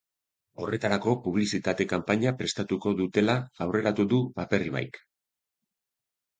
Horretarako publizitate kanpaina prestatuko dutela aurreratu du Aperribaik.